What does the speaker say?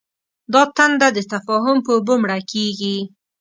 دا تنده د تفاهم په اوبو مړ کېږي.